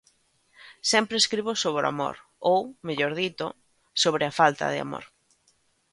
Sempre escribo sobre o amor, ou, mellor dito, sobre a falta de amor.